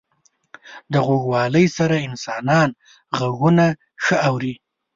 • د غوږوالۍ سره انسانان ږغونه ښه اوري.